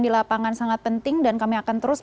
di lapangan sangat penting dan kami akan terus